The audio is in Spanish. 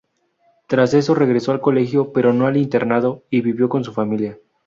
Tras eso regresó al colegio pero no al internado y vivió con su familia.